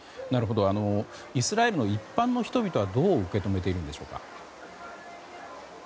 イスラエルの一般の人々はどう受け止めているんでしょうか。